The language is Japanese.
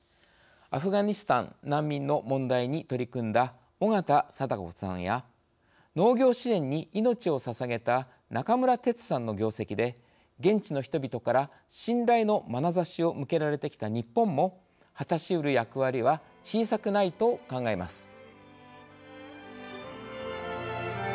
アフガニスタン難民の問題に取り組んだ緒方貞子さんや農業支援に命をささげた中村哲さんの業績で現地の人々から信頼のまなざしを向けられてきた日本も果たしうる役割は小さくないと考えます。